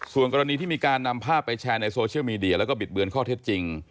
ส่วนกรณีที่มีการนำภาพไปแชร์ในโซเชียลมีเดียแล้วก็บิดเบือนข้อเท็จจริง